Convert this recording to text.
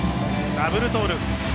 ダブルトーループ。